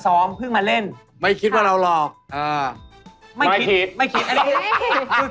โชว์จากภิกษณามหาสนุก